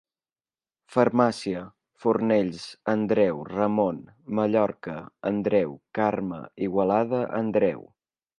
Farmàcia: Fornells, Andreu, Ramon, Mallorca, Andreu, Carme, Igualada, Andreu.